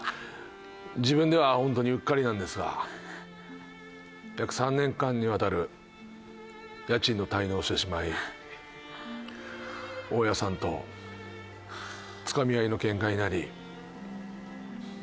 自分では本当にうっかりなんですが約３年間にわたる家賃の滞納をしてしまい大家さんとつかみ合いのけんかになり。